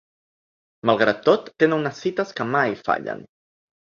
Malgrat tot, tenen unes cites que mai fallen.